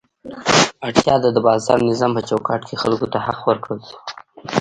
اړتیا ده د بازار نظام په چوکاټ کې خلکو ته حق ورکړل شي.